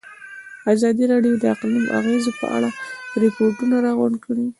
ازادي راډیو د اقلیم د اغېزو په اړه ریپوټونه راغونډ کړي.